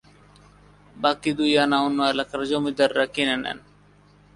বাকী দুই আনা অন্য এলাকার জমিদাররা কিনে নেন।